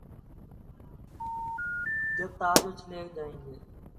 جب تاج اچھالے جائیں گے۔